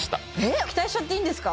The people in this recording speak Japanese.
期待しちゃっていいんですか？